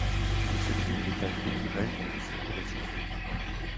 Il se trouve à l'état naturel dans le Sud de l'Asie.